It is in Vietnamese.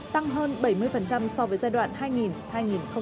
tăng hơn bảy mươi so với giai đoạn hai nghìn hai nghìn một mươi